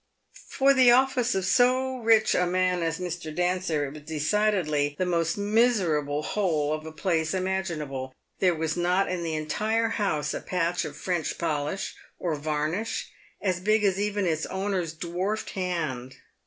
For the office of so rich a man as Mr. Dancer, it was decidedly the most miserable hole of a place imaginable. There was not in the entire house a patch of French polish, or varnish, as big as even its owner's dwarfed hand.